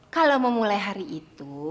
kalau mau mulai hari itu